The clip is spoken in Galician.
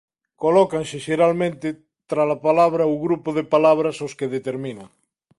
Colócanse xeralmente tras a palabra ou grupo de palabras aos que determinan.